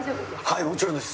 はいもちろんです。